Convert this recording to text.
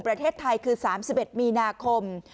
ประเทศไทยคือ๓๑มีนาคม